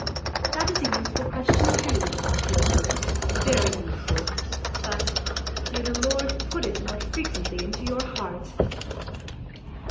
That is a youthful question too, dear reader, very youthful, but may the Lord put it more frequently into your heart